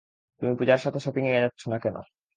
তুমি পূজার সাথে শপিংয়ে যাচ্ছ না কেন?